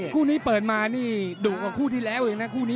ขู่นี้เปิดมาดูกว่าคู่ที่แรกเลยนะ